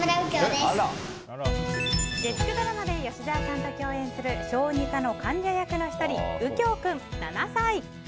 月９ドラマで吉沢さんと共演する小児科の患者役の１人羽叶君、７歳。